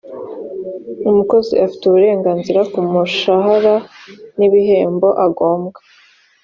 umukozi afite uburenganzira ku mushahara n’ ibihembo agombwa.